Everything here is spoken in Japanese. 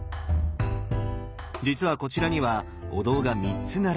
実はこちらにはお堂が３つ並んでいます。